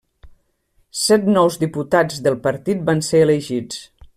Set nous diputats del partit van ser elegits.